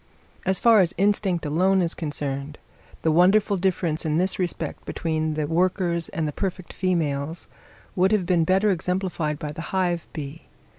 As far as instinct alone is concerned, the wonderful difference in this respect between the workers and the perfect females would have been better exemplified by the hive bee.